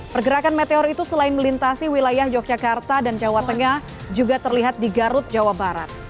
pergerakan meteor itu selain melintasi wilayah yogyakarta dan jawa tengah juga terlihat di garut jawa barat